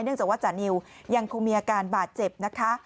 จากว่าจานิวยังคงมีอาการบาดเจ็บนะคะ